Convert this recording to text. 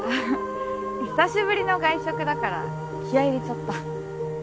久しぶりの外食だから気合入れちゃった。